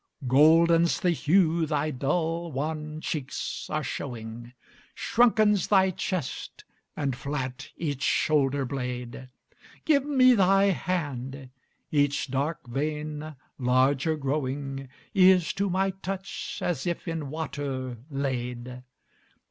Golden's the hue thy dull, wan cheeks are showing; Shrunken's thy chest, and flat each shoulder blade. Give me thy hand! Each dark vein, larger growing, Is, to my touch, as if in water laid.